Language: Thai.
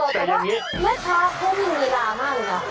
แต่ว่าเมื่อค้าเขามีเวลามากหรือ